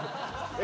え？